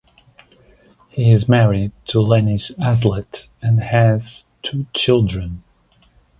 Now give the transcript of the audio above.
He is married to Lenis Hazlett and has two children.